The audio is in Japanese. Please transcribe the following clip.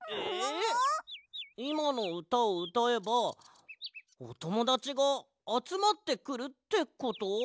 いまのうたをうたえばおともだちがあつまってくるってこと？